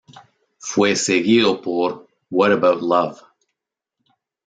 Fue seguido por What About Love?